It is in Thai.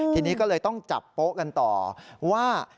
ทีนี้ก็เลยต้องจับโป๊ะกันต่อว่า